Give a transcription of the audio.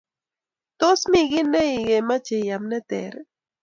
tos mi gii ne kemache iam ne ter